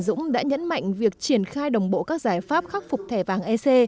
phó thủ tướng chính phủ trịnh đình dũng đã nhấn mạnh việc triển khai đồng bộ các giải pháp khắc phục thẻ vàng ec